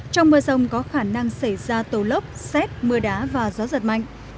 trong mưa rông có khả năng xảy ra tổ lốc xét mưa đá và gió giật mạnh